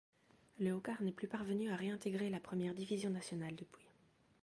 Le Haukar n'est plus parvenu à réintégrer la première division nationale depuis.